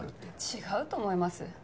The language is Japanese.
違うと思います。